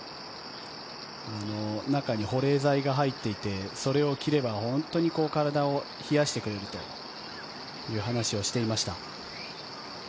中に保冷剤が入っていてそれを着れば本当に体を冷やしてくれるという話をしていました。